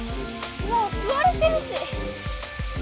もうすわれてるし！